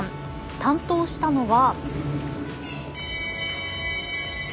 担当したのは。